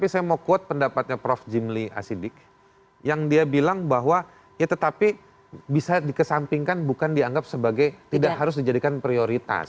saya mau quote pendapatnya prof jimli asidik yang dia bilang bahwa ya tetapi bisa dikesampingkan bukan dianggap sebagai tidak harus dijadikan prioritas